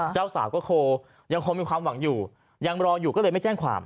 เจ้าสาวก็โคยังคงมีความหวังอยู่ยังรออยู่ก็เลยไม่แจ้งความ